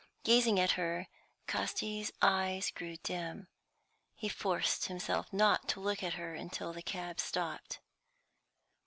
Gazing at her, Casti's eyes grew dim. He forced himself not to look at her again till the cab stopped.